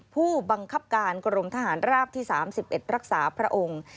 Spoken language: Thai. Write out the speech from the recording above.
ผู้บังคับการกรมทหารราบที่๓๑รักษาพระองค์